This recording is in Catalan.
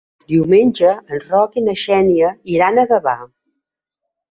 Diumenge en Roc i na Xènia iran a Gavà.